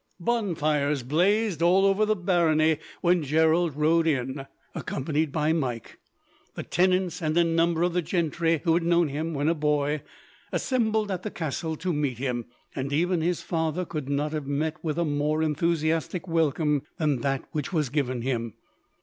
Bonfires blazed all over the barony when Gerald rode in, accompanied by Mike. The tenants, and a number of the gentry who had known him when a boy, assembled at the castle to meet him; and even his father could not have met with a more enthusiastic welcome than that which was given him.